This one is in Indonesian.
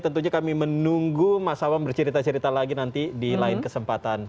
tentunya kami menunggu mas awam bercerita cerita lagi nanti di lain kesempatan